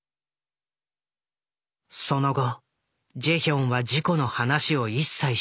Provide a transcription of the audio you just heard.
その後ジェヒョンは事故の話を一切しなくなる。